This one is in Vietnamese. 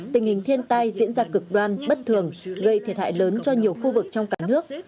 tình hình thiên tai diễn ra cực đoan bất thường gây thiệt hại lớn cho nhiều khu vực trong cả nước